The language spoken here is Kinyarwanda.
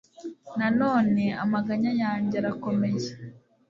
nanone, amaganya yanjye arakomeye